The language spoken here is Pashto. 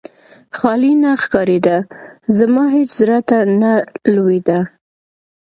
خالي نه ښکارېده، زما هېڅ زړه ته نه لوېده.